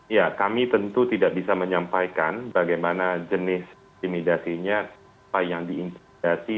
ya kami tentu tidak bisa menyampaikan bagaimana jenis intimidasinya apa yang diintimidasi